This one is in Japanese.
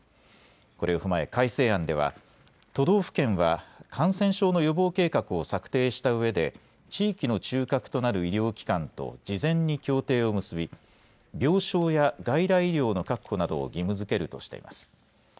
これを踏まえ改正案では都道府県は感染症の予防計画を策定したうえで地域の中核となる医療機関と事前に協定を結び病床や外来医療の確保などを義務づけるとしています。